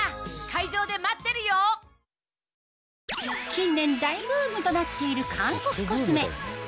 近年大ブームとなっている韓国コスメ